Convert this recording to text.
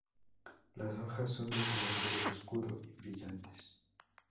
Las hojas son de color verde oscuro y brillantes.